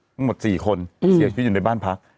ทั้งหมด๔คนเสียชีวิตอยู่ในบ้านพัก